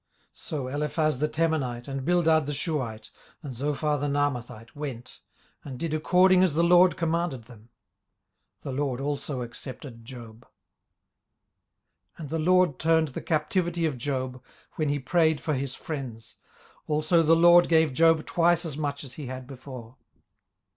18:042:009 So Eliphaz the Temanite and Bildad the Shuhite and Zophar the Naamathite went, and did according as the LORD commanded them: the LORD also accepted Job. 18:042:010 And the LORD turned the captivity of Job, when he prayed for his friends: also the LORD gave Job twice as much as he had before.